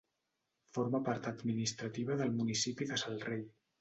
Forma part administrativa del municipi de Sal Rei.